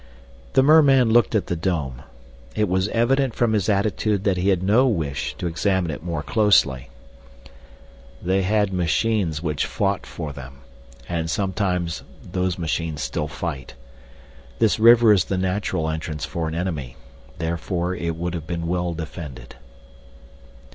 The merman looked at the dome; it was evident from his attitude that he had no wish to examine it more closely. "They had machines which fought for them, and sometimes those machines still fight. This river is the natural entrance for an enemy. Therefore it would have been well defended."